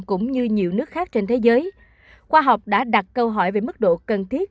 cũng như nhiều nước khác trên thế giới khoa học đã đặt câu hỏi về mức độ cần thiết